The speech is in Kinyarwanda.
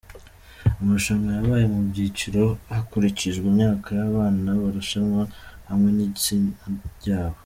Amarushanwa yabaye mu byiciro hakurikijwe imyaka y’abana barushanwaga hamwe n’igitsina cyabo.